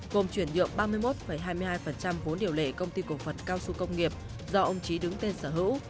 gồm chuyển nhượng ba mươi một hai mươi hai vốn điều lệ công ty cổ phần cao su công nghiệp do ông trí đứng tên sở hữu